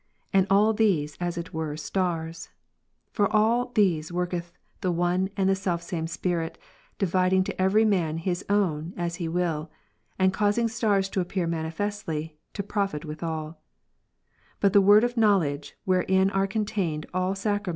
Andall these as it were 5/arsf. For all these ivorketh the one and self same Spirit, dividing to every manhis own as He ivill ; and causing stars to appear manifestly, to profit withal, myste q^^ ^^^ word of knowledge, wherein are contained all Sacra E.